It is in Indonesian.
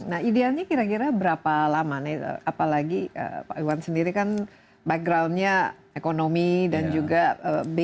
nah idealnya kira kira berapa lama nih apalagi pak iwan sendiri kan backgroundnya ekonomi dan juga bisnis